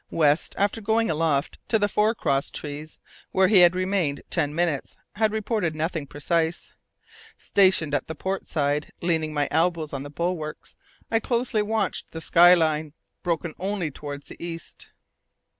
West, after going aloft to the fore cross trees, where he had remained ten minutes, had reported nothing precise. Stationed at the port side, leaning my elbows on the bulwarks, I closely watched the sky line, broken only towards the east.